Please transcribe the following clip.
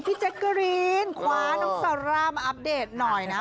พี่เจ็ดกะรีนขวาน้องสาร่ามาอัปเดตหน่อยนะ